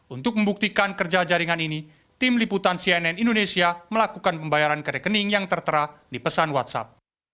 untuk membuktikan kerja jaringan ini tim liputan cnn indonesia melakukan pembayaran ke rekening yang tertera di pesan whatsapp